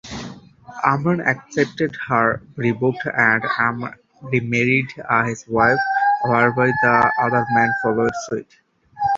Amram accepted her rebuke and remarried his wife, whereby the other men followed suit.